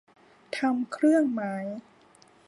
ทำเครื่องหมาย